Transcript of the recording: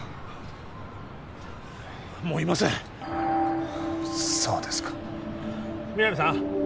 もういませんそうですか皆実さん？